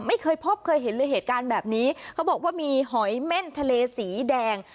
ไม่เคยพบเคยเห็นเลยเหตุการณ์แบบนี้เขาบอกว่ามีหอยเม่นทะเลสีแดง